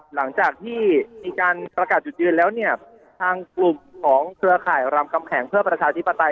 หลังจากที่มีการประกาศจุดยืนแล้วเนี่ยทางกลุ่มของเครือข่ายรามคำแหงเพื่อประชาธิปไตย